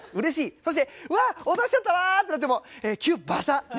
そして「うわ落としちゃったわ」ってなってもキュッバサッね。